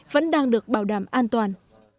vẫn đang được bảo đảm an toàn